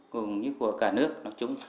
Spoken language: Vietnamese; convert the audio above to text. cũng như của cả nước nói chung